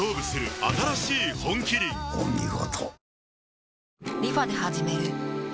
お見事。